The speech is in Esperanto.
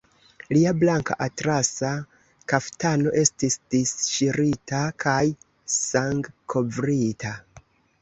Lia blanka atlasa kaftano estis disŝirita kaj sangkovrita.